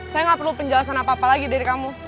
saya gak perlu penjelasan apa apa lagi dari kamu